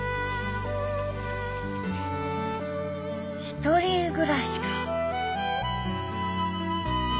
１人暮らしか。